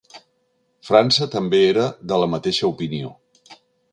França també era de la mateixa opinió.